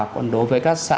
còn đối với các xã